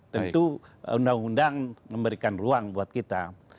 tentu undang undang memberikan ruang buat kita